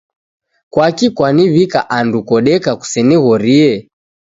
Kwaki kwaniw'ika andu kodeka kusenighorie?